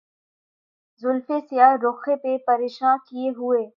زلفِ سیاہ رُخ پہ پریشاں کیے ہوئے